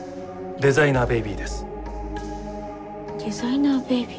デザイナーベビー。